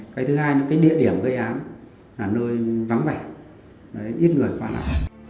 cái thứ hai là địa điểm gây án là nơi vắng vẻ ít người qua nào